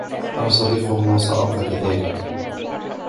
أنا صديقه و سأبقى كذلك.